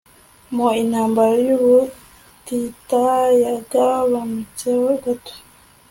Mu Intambara yubutita yagabanutseho gato